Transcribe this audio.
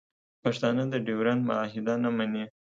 پښتانه د ډیورنډ معاهده نه مني